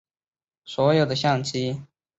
所有的相机和手机必须留在免费的储物柜中。